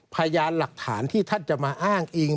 พยานหลักฐานที่ท่านจะมาอ้างอิง